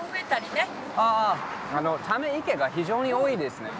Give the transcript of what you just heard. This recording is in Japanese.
ため池が非常に多いですね。